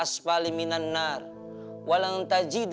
saat ini udahika itu